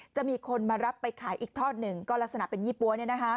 จะมีคนมารับไปขายอีกทอดหนึ่งก็ลักษณะเป็นยี่ปั๊ว